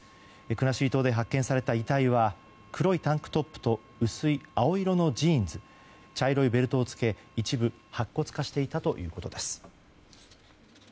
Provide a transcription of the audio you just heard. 国後島で発見された遺体は黒いタンクトップと薄い青色のジーンズ茶色いベルトを着け、一部白骨化していたということです。